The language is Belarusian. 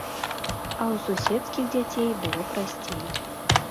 А ў суседскіх дзяцей было прасцей.